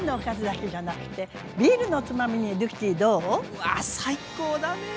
うわっ最高だね。